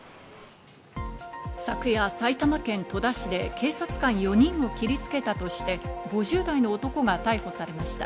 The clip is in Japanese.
昨夜、埼玉県戸田市で警察官４人を切りつけたとして、５０代の男が逮捕されました。